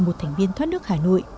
một thành viên thoát nước hà nội